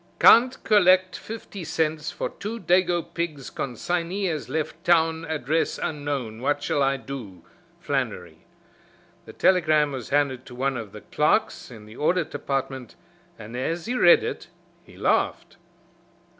"Can't collect fifty cents for two dago pigs consignee has left town address unknown what shall I do? Flannery." The telegram was handed to one of the clerks in the Audit Department, and as he read it he laughed.